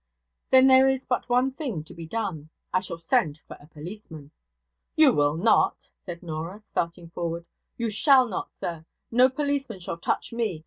'Then there is but one thing to be done. I shall send for a policeman.' 'You will not,' said Norah, starting forward. 'You shall not, sir! No policeman shall touch me.